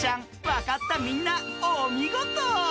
わかったみんなおみごと。